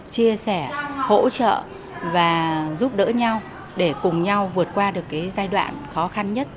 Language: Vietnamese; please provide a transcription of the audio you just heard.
chia sẻ hỗ trợ và giúp đỡ nhau để cùng nhau vượt qua giai đoạn khó khăn nhất